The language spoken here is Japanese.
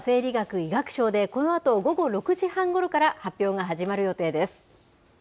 きょうは生理学・医学賞で、このあと午後６時半ごろから、発表が始まる予定です。